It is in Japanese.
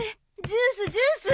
ジュースジュース。